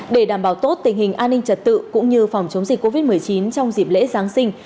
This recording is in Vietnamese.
để đảm bảo tốt tình hình an ninh trật tự cũng như phòng chống dịch covid một mươi chín trong dịp lễ giáng sinh